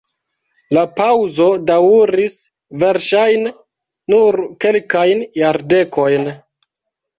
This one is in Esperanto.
La paŭzo daŭris verŝajne nur kelkajn jardekojn.